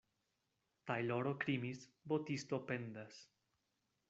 Tajloro krimis, botisto pendas.